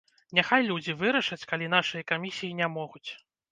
Няхай людзі вырашаць, калі нашыя камісіі не могуць!